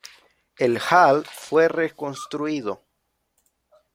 El hall fue reconstruido.